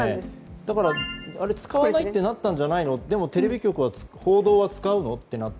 だから、使わないってなったんじゃないのでもテレビ局は報道は使うの？ってなって。